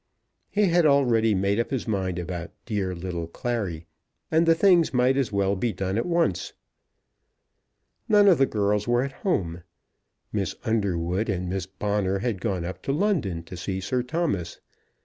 He had already made up his mind about "dear little Clary," and the thing might as well be done at once. None of the girls were at home. Miss Underwood and Miss Bonner had gone up to London to see Sir Thomas.